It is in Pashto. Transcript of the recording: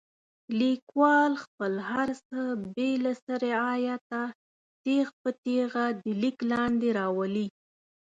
لیکوال خپل هر څه بې څه رعایته نیغ په نیغه د لیک لاندې راولي.